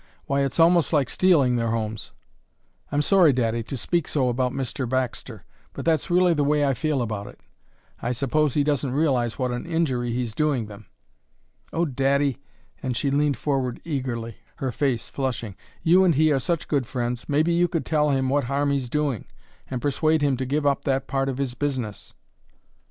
Why, it's almost like stealing their homes. I'm sorry, daddy, to speak so about Mr. Baxter, but that's really the way I feel about it; I suppose he doesn't realize what an injury he's doing them. Oh, daddy," and she leaned forward eagerly, her face flushing, "you and he are such good friends, maybe you could tell him what harm he's doing and persuade him to give up that part of his business!"